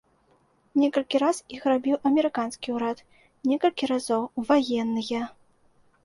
Некалькі раз іх рабіў амерыканскі ўрад, некалькі разоў ваенныя.